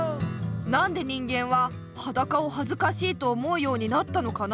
なんで人間ははだかをはずかしいと思うようになったのかな？